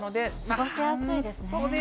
過ごしやすいですね。